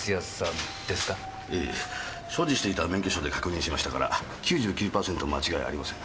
ええ所持していた免許証で確認しましたから９９パーセント間違いありません。